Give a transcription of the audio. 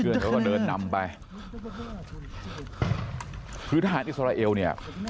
เพื่อนเขาก็เดินนำไปคือทหารอิสราเอลเนี่ย